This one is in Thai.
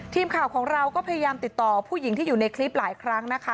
ทีมข่าวของเราก็พยายามติดต่อผู้หญิงที่อยู่ในคลิปหลายครั้งนะคะ